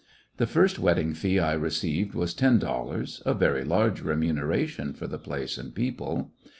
The first wedding fee I received was ten dollars, a very large remuneration for the place and people.